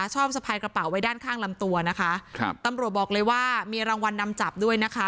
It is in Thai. สะพายกระเป๋าไว้ด้านข้างลำตัวนะคะครับตำรวจบอกเลยว่ามีรางวัลนำจับด้วยนะคะ